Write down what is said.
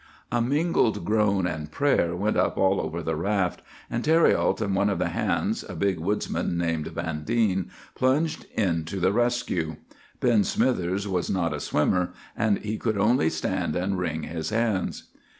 "A mingled groan and prayer went up all over the raft; and Thériault and one of the hands, a big woodsman named Vandine, plunged in to the rescue. Ben Smithers was not a swimmer, and he could only stand and wring his hands.